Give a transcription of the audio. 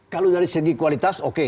kalau dari segi kualitas oke